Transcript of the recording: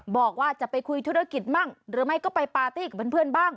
บอกว่าจะไปคุยธุรกิจบ้างหรือไม่ก็ไปปาร์ตี้กับเพื่อนบ้าง